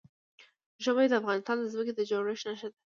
ژمی د افغانستان د ځمکې د جوړښت نښه ده.